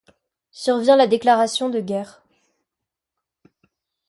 Survient la déclaration de guerre.